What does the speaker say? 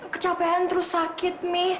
kecapean terus sakit mi